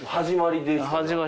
始まりです。